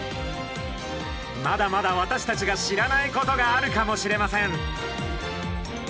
まだまだ私たちが知らないことがあるかもしれません。